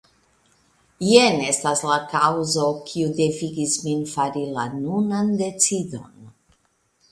Jen estas la kaŭzo, kiu devigis min fari la nunan decidon.